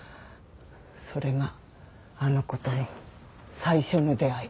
それがあの子との最初の出会いだった。